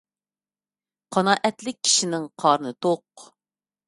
قانائەتلىك كىشىنىڭ قارنى توق.